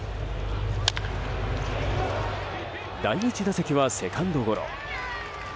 第１打席はセカンドゴロ。